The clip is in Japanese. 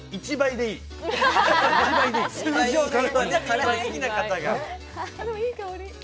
でも、いい香り。